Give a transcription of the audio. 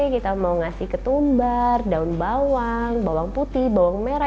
kita mau ngasih ketumbar daun bawang bawang putih bawang merah